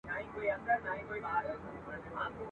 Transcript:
د غليم په بنګلو کي ..